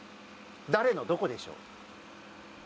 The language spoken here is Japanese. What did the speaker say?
誰のどこでしょう。